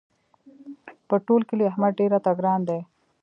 په ټول کلي احمد ډېر راته ګران دی.